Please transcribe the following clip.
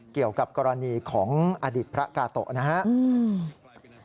เกี่ยวกับกรณีของอดีตพระกาโตะนะครับ